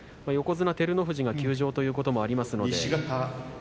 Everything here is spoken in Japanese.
横綱照ノ富士が休場ということもありました。